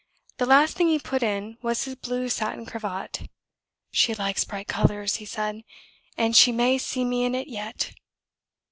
The last thing he put in was his blue satin cravat. "She likes bright colors," he said, "and she may see me in it yet!"